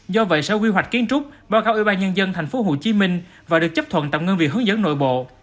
do vậy sở quy hoạch kiến trúc báo cáo ủy ban nhân dân thành phố hồ chí minh và được chấp thuận tạm ngưng về hướng dẫn nội bộ